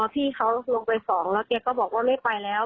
พี่เขาลงไป๒แล้วเกี๊ยวก็บอกว่าไม่ไปแล้ว